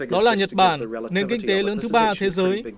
đó là nhật bản nền kinh tế lớn thứ ba thế giới